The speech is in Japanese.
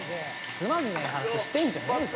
つまんねえ話してんじゃねえぞ。